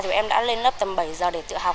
thì em đã lên lớp tầm bảy h để tự học rồi ạ